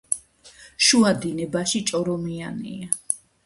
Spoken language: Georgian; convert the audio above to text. შუა დინებაში ჭორომიანია.